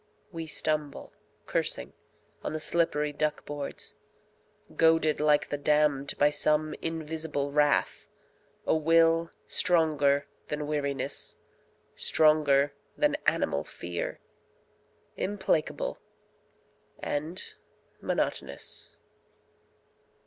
We stumble, cursing, on the slippery duck boards. Goaded like the damned by some invisible wrath, A will stronger than weariness, stronger than animal fear, Implacable and monotonous.